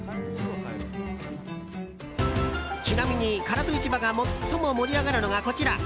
ちなみに唐戸市場が最も盛り上がるのがこちら！